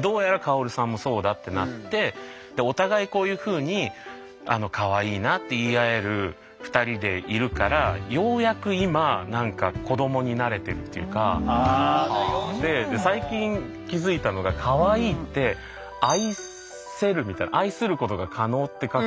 どうやら薫さんもそうだってなってお互いこういうふうに「かわいいな」って言い合える２人でいるからようやく今なんか最近気付いたのが「可愛い」って愛せるみたいな「愛することが可能」って書く。